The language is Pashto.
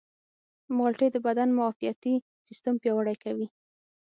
مالټې د بدن معافیتي سیستم پیاوړی کوي.